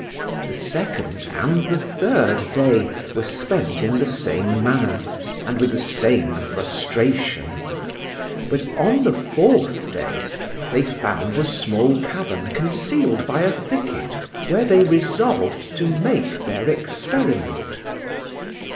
The second and the third day were spent in the same manner, and with the same frustration; but on the fourth day they found a small cavern concealed by a thicket, where they resolved to make their experiment.